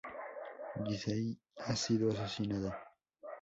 Giselle ha sido asesinada.